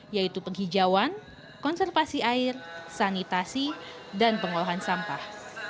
yaitu penghijauan konservasi air sanitasi dan pengolahan sampah